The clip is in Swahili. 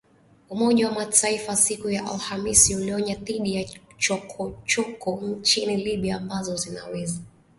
Umoja wa Mataifa siku ya Alhamisi ulionya dhidi ya “chokochoko” nchini Libya ambazo zinaweza kusababisha mapigano.